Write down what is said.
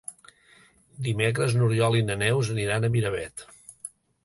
Dimecres n'Oriol i na Neus aniran a Miravet.